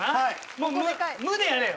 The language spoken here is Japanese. もう無でやれよ。